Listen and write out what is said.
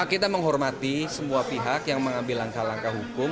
kita menghormati semua pihak yang mengambil langkah langkah hukum